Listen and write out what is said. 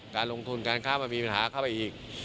การลงทุนการค้ามันมีปัญหาเข้าไปอีก